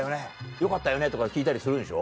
よかったよね？」とか聞いたりするんでしょ。